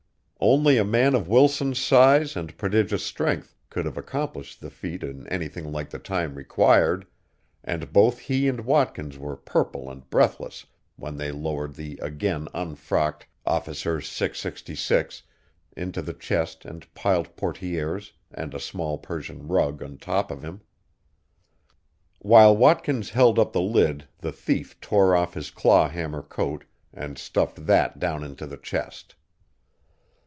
Only a man of Wilson's size and prodigious strength could have accomplished the feat in anything like the time required, and both he and Watkins were purple and breathless when they lowered the again unfrocked Officer 666 into the chest and piled portières and a small Persian rug on top of him. While Watkins held up the lid the thief tore off his claw hammer coat and stuffed that down into the chest.